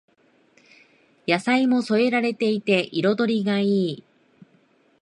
野菜も添えられていて彩りがいい